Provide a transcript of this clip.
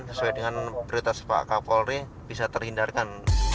sesuai dengan berita sepak kapolri bisa terhindarkan